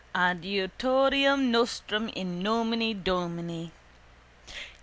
—_Adiutorium nostrum in nomine Domini.